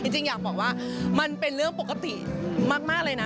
จริงอยากบอกว่ามันเป็นเรื่องปกติมากเลยนะ